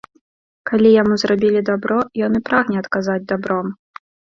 Калі яму зрабілі дабро, ён і прагне адказаць дабром.